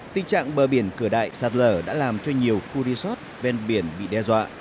tình trạng bờ biển cửa đại sạt lở đã làm cho nhiều khu resort ven biển bị đe dọa